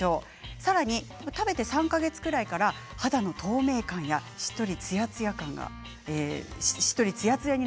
さらに食べて３か月ぐらいから肌の透明感やしっとりツヤツヤ感。